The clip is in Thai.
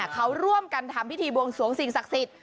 เขาร่วมกันทำพิธีบวงสวงสิ่งศักดิ์สิทธิ